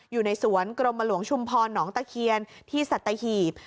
อยู่ในสวนกรมหลวงชุมพรหนองตะเคียนที่สัตหีบ